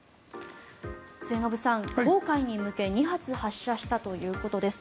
末延さん、黄海に向け２発発射したということです。